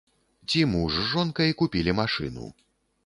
Ці муж з жонкай купілі машыну.